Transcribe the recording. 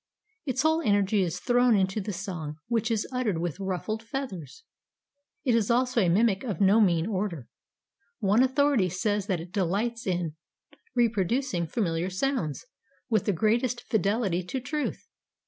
Its whole energy is thrown into the song, which is uttered with ruffled feathers. It is also a mimic of no mean order. One authority says that it delights "in reproducing familiar sounds with the greatest fidelity to truth.